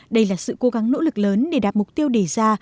đây là sự cố gắng nỗ lực lớn để đạt mục tiêu đề ra